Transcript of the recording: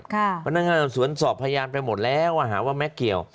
พนักงานสอบสวนสอบพยานไปหมดแล้วว่าหาว่าแก๊กเกี่ยว